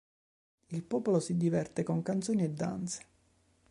Il popolo si diverte con canzoni e danze.